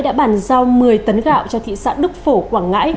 đã bàn giao một mươi tấn gạo cho thị xã đức phổ quảng ngãi